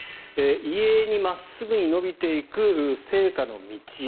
遺影に真っすぐ伸びていく生花の道